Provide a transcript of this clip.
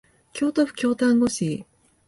京都府京丹後市